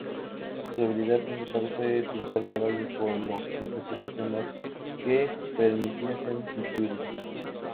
Su habilidad principal fue pintar caballos, por lo que prefirió temas que permitiesen incluirlos.